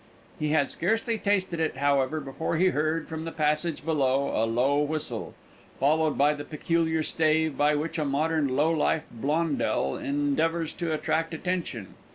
He had scarcely tasted it, however, before he heard, from the passage below, a low whistle, followed by the peculiar stave by which a modern low life Blondel endeavours to attract attention.